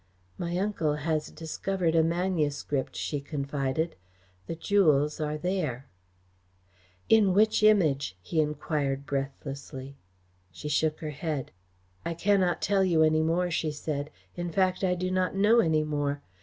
"My uncle has discovered a manuscript," she confided. "The jewels are there." "In which Image?" he enquired breathlessly. She shook her head. "I cannot tell you any more," she said. "In fact, I do not know any more.